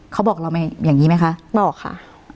เขาบอกเราไม่อย่างนี้ไหมคะบอกค่ะ